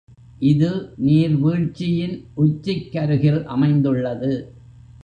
இது நீர் வீழ்ச்சியின் உச்சிக்கருகில் அமைந்துள்ளது.